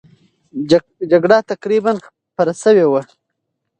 جګړه تقریبا خورېدلې وه.